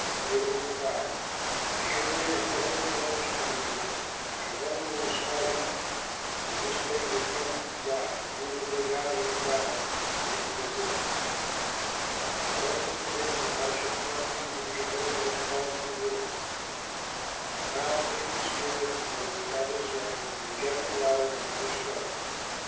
David replied, "As surely as Jehovah lives, either Jehovah will smite him, or his day will come to die, or he will go down into battle and meet his end. Jehovah forbid that I should harm him whom Jehovah has called to rule! But now take the spear that is at his head and the jug of water, and let us go."